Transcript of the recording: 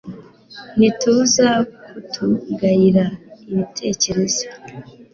ntituza kutugayira ibitekerezo